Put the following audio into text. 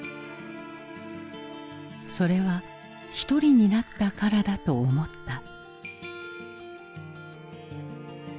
それは一人になったからだと思った。